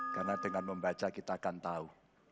karena dengan membaca kita akan tahu